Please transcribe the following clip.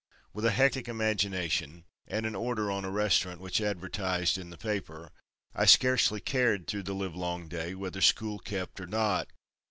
With a hectic imagination and an order on a restaurant which advertised in the paper I scarcely cared through the livelong day whether school kept or not."